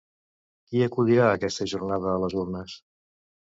Qui acudirà aquesta jornada a les urnes?